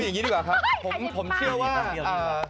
คืออย่างนี้ดีกว่าครับผมเชื่อว่า